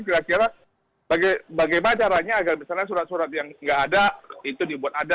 kira kira bagaimana caranya agar misalnya surat surat yang nggak ada itu dibuat ada